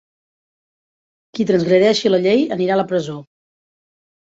Qui transgredeixi la llei anirà a la presó.